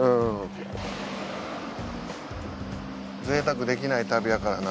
ぜいたくできない旅やからな。